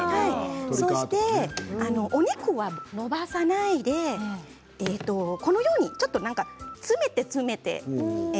そしてお肉は伸ばさないでちょっと詰めて詰めて。